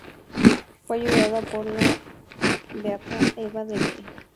Fue ayudada por la beata Eva de Lieja.